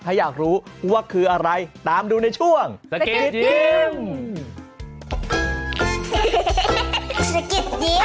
ถ้าอยากรู้ว่าคืออะไรตามดูในช่วงสกิดยิ้ม